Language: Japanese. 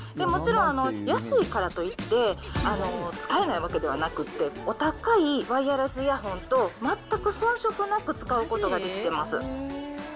もちろん、安いからといって、使えないわけではなくて、お高いワイヤレスイヤホンと全くそん色なく使うことができてます。